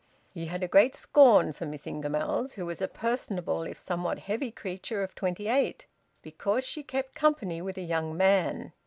He had a great scorn for Miss Ingamells, who was a personable if somewhat heavy creature of twenty eight, because she kept company with a young man.